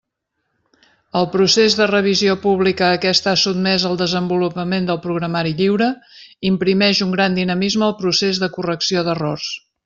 El procés de revisió pública a què està sotmès el desenvolupament del programari lliure imprimeix un gran dinamisme al procés de correcció d'errors.